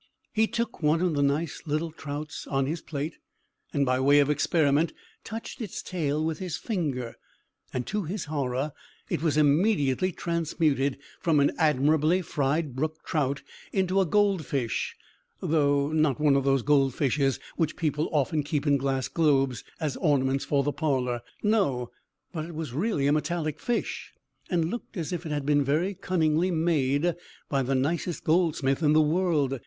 He took one of the nice little trouts on his plate, and, by way of experiment, touched its tail with his finger. To his horror, it was immediately transmuted from an admirably fried brook trout into a gold fish, though not one of those gold fishes which people often keep in glass globes, as ornaments for the parlour. No; but it was really a metallic fish, and looked as if it had been very cunningly made by the nicest goldsmith in the world.